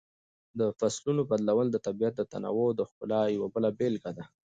د فصلونو بدلون د طبیعت د تنوع او ښکلا یوه بله بېلګه ده.